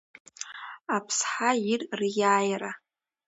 Аԥсҳа ир риааира…